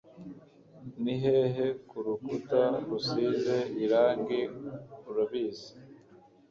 nihehe kurukuta rusize irangi - urabizi